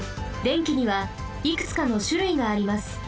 電気にはいくつかのしゅるいがあります。